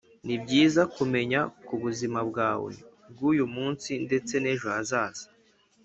ni byiza kumenya ku buzima bwawe bw’uyu munsi ndetse n’ejo hazaza.